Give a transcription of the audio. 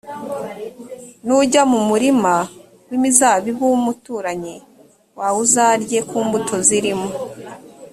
nujya mu murima w’imizabibu w’umuturanyi waweuzarye kumbuto zirimo.